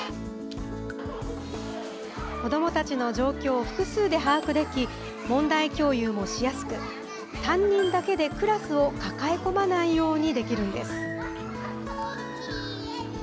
子どもたちの状況を複数で把握でき、問題共有もしやすく、担任だけでクラスを抱え込まないようにできるんです。